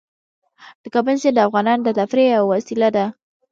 د کابل سیند د افغانانو د تفریح یوه وسیله ده.